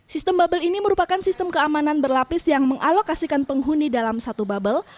sistem bubble ini merupakan sistem keamanan berlapis yang mengalokasikan penghuni dalam satu bubble